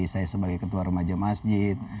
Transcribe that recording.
saya sebagai ketua remaja masjid